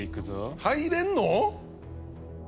入れんの？